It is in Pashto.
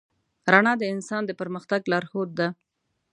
رڼا د انسان د پرمختګ لارښود ده.